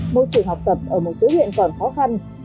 môi trường học tập ở một số huyện còn khó khăn